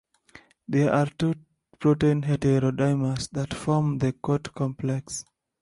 There are two protein heterodimers that form the coat complex.